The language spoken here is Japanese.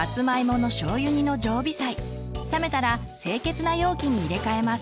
冷めたら清潔な容器に入れ替えます。